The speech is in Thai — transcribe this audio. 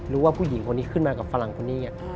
รู้ว่าผู้หญิงคนนี้ขึ้นมากับฝรั่งคนนี้